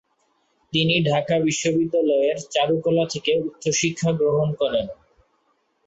তিনি ঢাকা বিশ্ববিদ্যালয়ের চারুকলা থেকে উচ্চশিক্ষা গ্রহণ করেন।